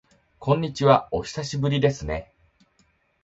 こんにちは、お久しぶりですね。